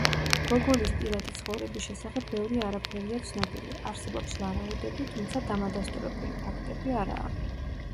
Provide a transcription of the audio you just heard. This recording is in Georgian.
გოგოლის პირადი ცხოვრების შესახებ ბევრი არაფერია ცნობილი, არსებობს ვარაუდები, თუმცა დამადასტურებელი ფაქტები არაა.